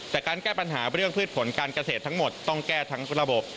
แต่การแก้ปัญหาเรื่องพืชผลการเกษตรทั้งหมดต้องแก้ทั้งระบบ